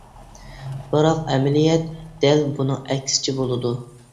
بىراق، ئەمەلىيەت دەل بۇنىڭ ئەكسىچە بولىدۇ.